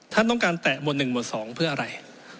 ท่านต้องการแตะบ์๑บ์๒เพื่ออะไร